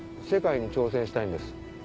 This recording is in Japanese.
世界に挑戦したいんです